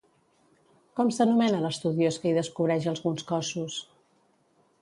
Com s'anomena l'estudiós que hi descobreix alguns cossos?